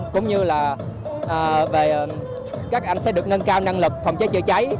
cũng như là các anh sẽ được nâng cao năng lực phòng chơi chơi cháy